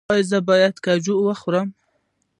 ایا زه باید کاجو وخورم؟